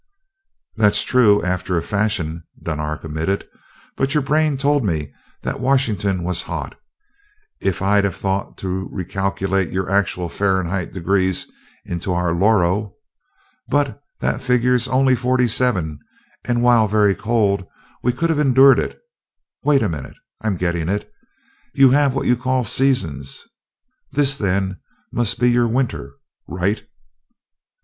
"That's true, after a fashion," Dunark admitted, "but your brain told me that Washington was hot. If I'd have thought to recalculate your actual Fahrenheit degrees into our loro ... but that figures only forty seven and, while very cold, we could have endured it wait a minute, I'm getting it. You have what you call 'seasons.' This, then, must be your 'winter.' Right?"